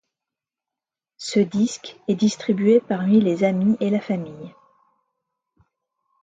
Ce disque est distribué parmi les amis et la famille.